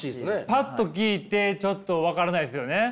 パッと聞いてちょっと分からないですよね。